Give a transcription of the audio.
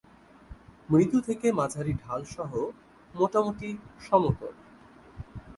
মৃদু থেকে মাঝারি ঢাল সহ মোটামুটি সমতল।